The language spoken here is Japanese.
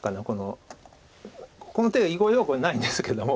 この手は囲碁用語にないんですけども。